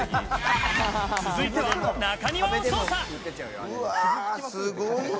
続いては中庭を捜査。